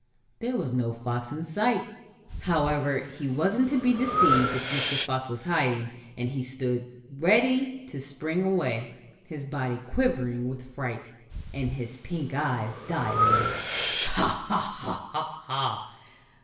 There was no fox in sight. However, he wasn't to be deceived, if Mr. Fox was hiding, and he stood ready to spring away, his body quivering with fright, and his pink eyes dilated. "Ha! Ha! Ha!"